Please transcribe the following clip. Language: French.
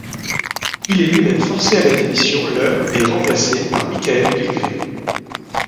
Il est lui-même forcé à la démission le et remplacé par Michael Pilgrim.